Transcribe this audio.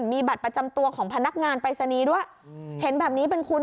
มีบัตรประจำตัวของพนักงานปรายศนีย์ด้วยเห็นแบบนี้เป็นคุณ